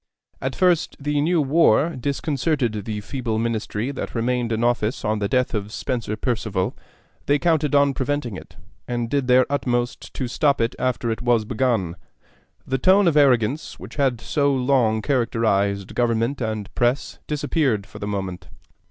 At first the new war disconcerted the feeble Ministry that remained in office on the death of Spencer Perceval: they counted on preventing it, and did their utmost to stop it after it was begun. The tone of arrogance which had so long characterized government and press disappeared for the moment.